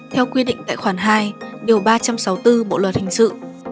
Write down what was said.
tại khoản hai điều ba trăm sáu mươi bốn bộ luật hình sự